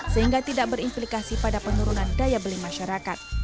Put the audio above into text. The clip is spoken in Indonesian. sehingga tidak berimplikasi pada penurunan daya beli masyarakat